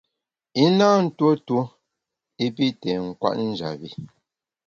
I na ntuo tuo i pi té nkwet njap bi.